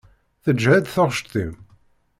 Teǧhed taɣect-im.